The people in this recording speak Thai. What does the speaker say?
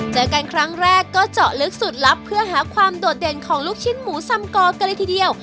เจอกันครั้งแรกก็เจาะลึกสูตรลับเพื่อหาความโดดเด่นของลูกชิ้นหมูซำกอกันเลยทีเดียว